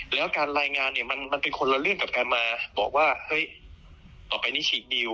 แล้วการรายงานเนี่ยมันเป็นคนละเรื่องกับการมาบอกว่าเฮ้ยต่อไปนี้ฉีกดีล